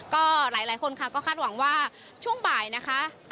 ก็หลายคนค่ะก็คาดหวังว่าช่วงบ่ายนะคะ